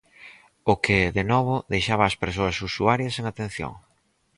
O que, de novo, deixaba as persoas usuarias sen atención.